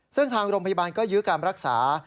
ซึ่งทางโรงพยาบาลก็ยื้อการรักษา